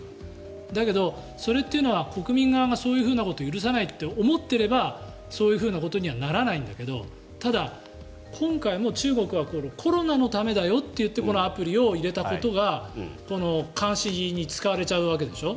だけど、それっていうのは国民側がそういうことを許さないと思っていればそういうふうなことにはならないんだけどただ、今回も中国はコロナのためだよと言ってこのアプリを入れたことが監視に使われちゃうわけでしょ。